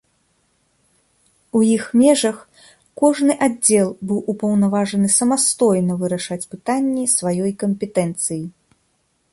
У іх межах кожны аддзел быў упаўнаважаны самастойна вырашаць пытанні сваёй кампетэнцыі.